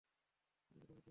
উনি কথা বলতে পারেন না!